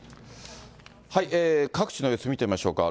各地の様子見てみましょうか。